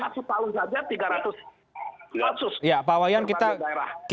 masih baru saja tiga ratus konsus